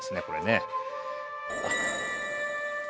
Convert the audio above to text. これね。